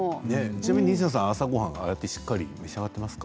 ちなみに西田さんは朝ごはんはしっかり召し上がっていますか？